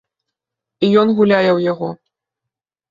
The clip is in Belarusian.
І ён гуляе ў яго.